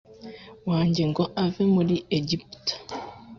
wanjye ngo ave muri Egiputa